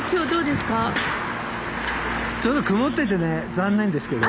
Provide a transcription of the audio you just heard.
ちょっと曇っててね残念ですけど。